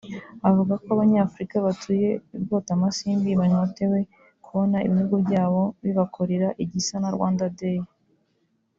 Avuga ko Abanyafurika batuye i Bwotamasimbi banyotewe kubona ibihugu byabo bibakorera igisa na Rwanda Day